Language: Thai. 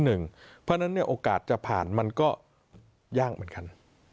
เพราะฉะนั้นโอกาสจะผ่านมันก็ยากเหมือนกัน